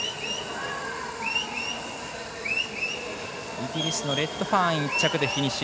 イギリスのレッドファーン１着でフィニッシュ。